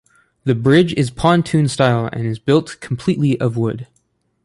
The bridge is pontoon-style and is built completely of wood.